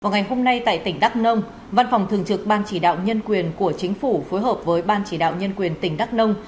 ngày hôm nay tại tỉnh đắk nông văn phòng thường trực ban chỉ đạo nhân quyền của chính phủ phối hợp với ban chỉ đạo nhân quyền tỉnh đắk nông